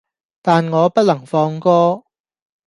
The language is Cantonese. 但我不能放歌